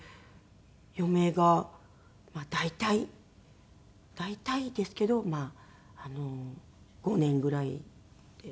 余命がまあ大体大体ですけどまあ５年ぐらいって。